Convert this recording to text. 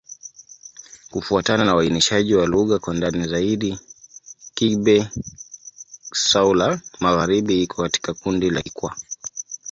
Kufuatana na uainishaji wa lugha kwa ndani zaidi, Kigbe-Xwla-Magharibi iko katika kundi la Kikwa.